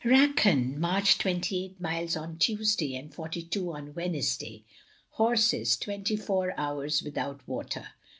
''Rakhan. ... inarched twenty eight miles on Tuesday and forty two on Wednesday, horses twenty four hours without water.